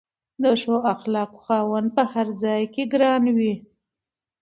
د ښو اخلاقو خاوند په هر ځای کې ګران وي.